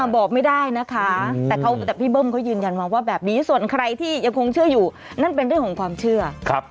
บอกไม่ได้นะคะแต่พี่เบิ้มเขายืนยันมาว่าแบบนี้ส่วนใครที่ยังคงเชื่ออยู่นั่นเป็นเรื่องของความเชื่อ